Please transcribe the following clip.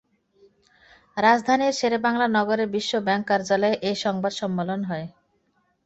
রাজধানীর শেরেবাংলা নগরে বিশ্বব্যাংক কার্যালয়ে এই সংবাদ সম্মেলন হয়।